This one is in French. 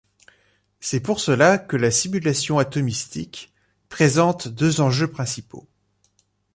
C'est pour cela que la simulation atomistique présente deux enjeux principaux.